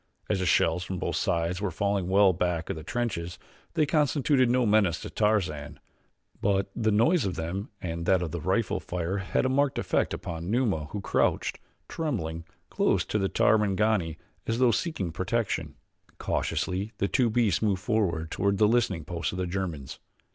As the shells from both sides were falling well back of the trenches, they constituted no menace to Tarzan; but the noise of them and that of the rifle fire had a marked effect upon Numa who crouched, trembling, close to the Tarmangani as though seeking protection. Cautiously the two beasts moved forward toward the listening post of the Germans.